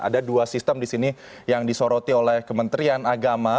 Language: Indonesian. ada dua sistem di sini yang disoroti oleh kementerian agama